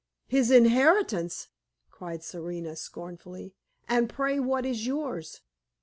"His inheritance!" cried Serena, scornfully; "and, pray, what is yours?